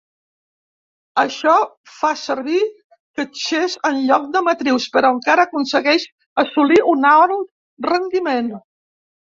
Això fa servir catxés en lloc de matrius, però encara aconsegueix assolir un alt rendiment.